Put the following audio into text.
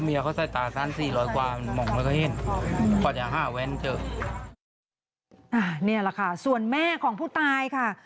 นี่แหละค่ะส่วนแม่ของผู้ตายค่ะ